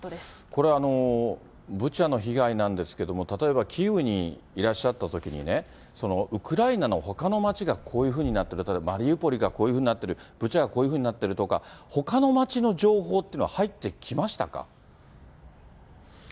これ、ぶちゃのひがいなんですけども例えばキーウにいらっしゃったときにね、ウクライナのほかの街がこういうふうになってる、マリウポリがこういうふうになってる、ブチャがこういうふうになってるとか、ほかの街の情報っていうのは入ってきましたか？